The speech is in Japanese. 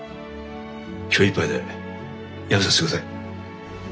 今日いっぱいでやめさせてください。